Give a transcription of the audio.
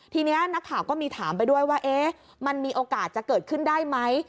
ทีนี้นักข่าวก็มีถามไปด้วยว่ามันมีโอกาสจะเกิดขึ้นได้ไหม